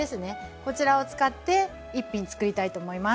こちらを使って一品つくりたいと思います。